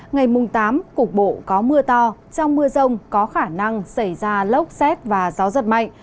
ngày tám cục bộ có mưa to trong mưa rông có khả năng xảy ra lốc xét và gió giật mạnh